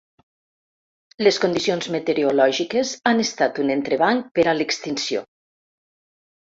Les condicions meteorològiques han estat un entrebanc per a l’extinció.